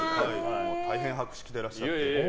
大変、博識でいらっしゃって。